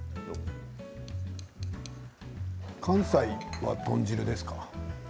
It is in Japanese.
関西は豚汁ですか？